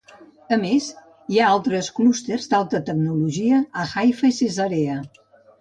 A més, hi ha altres clústers d'alta tecnologia a Haifa i Cesarea.